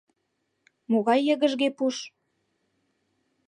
— Могай йыгыжге пуш...